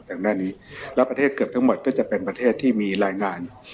ก่อนหน้านี้แล้วประเทศเกือบทั้งหมดก็จะเป็นประเทศที่มีรายงาน